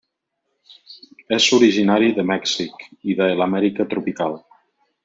És originari de Mèxic i de l'Amèrica tropical.